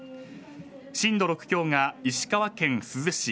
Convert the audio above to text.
震度６強が石川県珠洲市。